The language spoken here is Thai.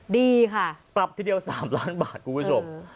ดีค่ะปรับทีเดียว๓ล้านบาทคุณผู้ชม